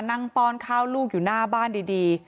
นั่งปอนข้าวลูกอยู่หน้าบ้านดีดี